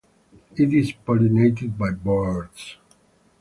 It is pollinated by birds.